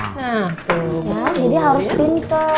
jadi harus pinter